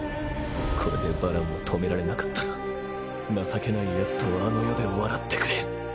これでバランを止められなかったら情けないヤツとあの世で笑ってくれ